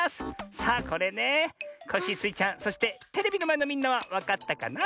さあこれねコッシースイちゃんそしてテレビのまえのみんなはわかったかな？